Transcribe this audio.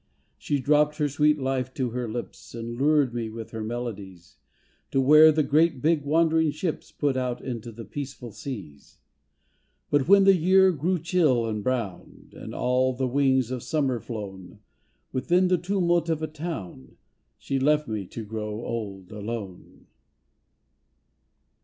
She dropped her sweet fife to her lips And lured me with her melodies, To where the great big wandering ships Put out into the peaceful seas. But when the year grew chill and brown, And all the wings of Summer flown, Within the tumult of a town She left me to grow old alone.